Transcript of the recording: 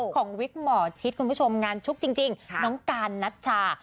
ของวิทย์หมอชิดคุณผู้ชมงานชุกจริงน้องกานนะจ้า